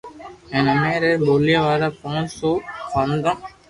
ھين امي اي را ٻوليا وارا پونچ سو خوندون